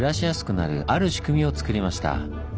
ある仕組みをつくりました。